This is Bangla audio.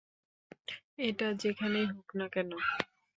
এটা যেখানেই হোক না কেন।